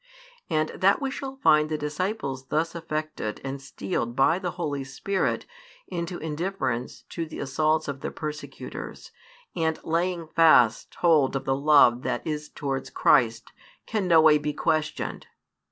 And that we shall find the disciples thus affected and steeled by the Holy Spirit into indifference to the assaults of their persecutors, and laying fast hold of the love that is towards Christ, can no way be questioned.